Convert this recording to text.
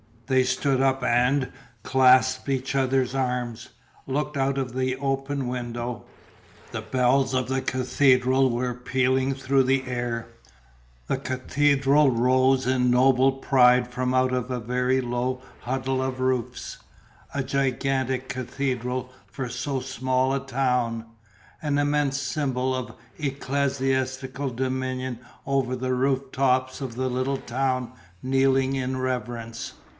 They stood up and, clasped in each other's arms, looked out of the open window. The bells of the cathedral were pealing through the air; the cathedral rose in noble pride from out of a very low huddle of roofs, a gigantic cathedral for so small a town, an immense symbol of ecclesiastical dominion over the roof tops of the little town kneeling in reverence.